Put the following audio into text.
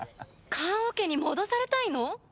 棺桶に戻されたいの？